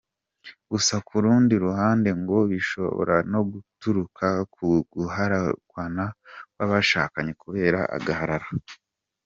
Gusa ku rundi ruhande ngo bishobora no guturuka ku guhararukwana kw’abashaknye kubera agahararo.